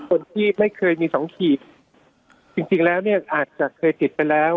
คนที่ไม่เคยมีสองขีดจริงจริงแล้วเนี่ยอาจจะเคยติดไปแล้ว